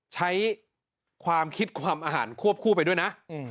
ใช้ความคิดความอาหารควบคู่ไปด้วยนะ